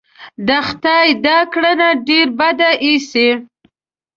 د خدای دا کړنه ډېره بده اېسي.